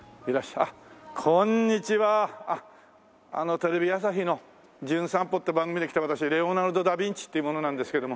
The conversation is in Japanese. テレビ朝日の『じゅん散歩』って番組で来た私レオナルド・ダ・ヴィンチっていう者なんですけれども。